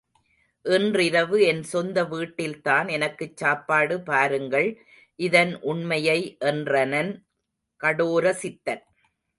இன்றிரவு என் சொந்த வீட்டில் தான் எனக்குச் சாப்பாடு பாருங்கள் இதன் உண்மையை என்றனன் கடோரசித்தன்.